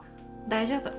大丈夫。